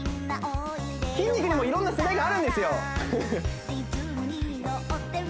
筋肉にもいろんな世代があるんですよ